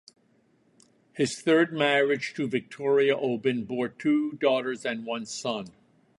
His third marriage to Victoria Obin bore two daughters and one son.